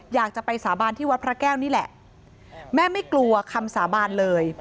อยากจะไปสาบานที่วัดพระแก้วนี่แหละแม่ไม่กลัวคำสาบานเลย